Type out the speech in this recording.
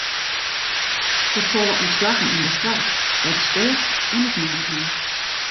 Der falle ûntslaggen yn de soarch, by de stêf en it management.